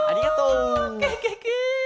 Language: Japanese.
ケケケ！